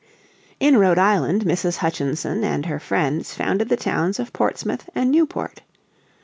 In Rhode Island Mrs. Hutchinson and her friends founded the towns of Portsmouth and Newport.